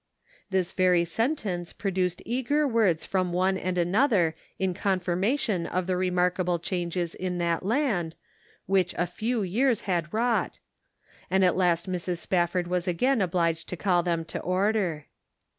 " This very sentence produced eager words from one and another in confirmation of the remarkable changes in that land, which a few years had wrought; and at last Mrs. Spafford Tfien and Now. 493 was again obliged to call them to order."